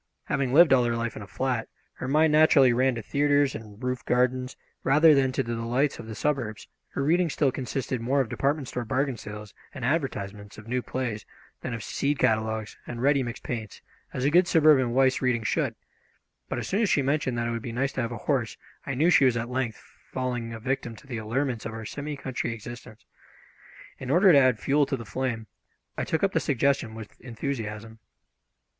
Having lived all her life in a flat, her mind naturally ran to theatres and roof gardens, rather than to the delights of the suburbs, and her reading still consisted more of department store bargain sales and advertisements of new plays than of seed catalogues and ready mixed paints, as a good suburban wife's reading should; but as soon as she mentioned that it would be nice to have a horse I knew she was at length falling a victim to the allurements of our semi country existence. In order to add fuel to the flame I took up the suggestion with enthusiasm.